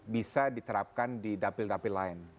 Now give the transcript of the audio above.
bisa diterapkan di dapil dapil lain